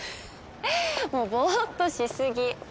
もうぼっとし過ぎ。